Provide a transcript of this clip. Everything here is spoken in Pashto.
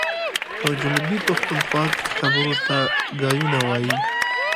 په جنوبي پښتونخوا کي خبرو ته ګايونه وايي.